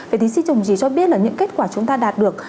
thì thí sĩ đồng chí cho biết là những kết quả chúng ta đạt được